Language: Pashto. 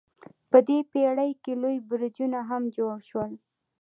په دې پیړۍ کې لوی برجونه هم جوړ شول.